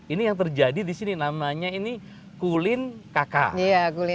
ini yang terjadi di sini namanya ini kulin kk